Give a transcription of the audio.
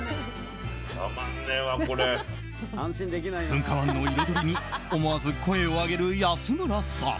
噴火湾の彩りに思わず声を上げる安村さん。